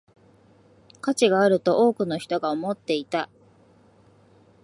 価値があると多くの人が思っていた